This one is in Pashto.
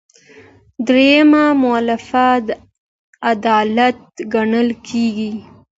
دویمه مولفه عدالت ګڼل کیږي.